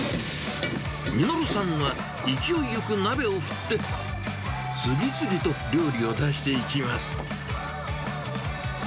實さんは勢いよく鍋を振って、次々と料理を出していきます。